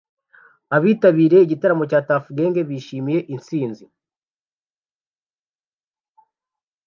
Abitabiriye igitaramo cya tafungang bishimiye itsinda